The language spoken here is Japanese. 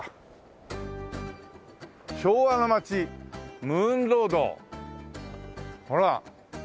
「昭和の街ムーンロード」ほら。